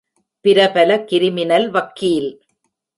பிரபல கிரிமினல் வக்கீல்.